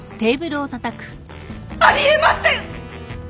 あり得ません！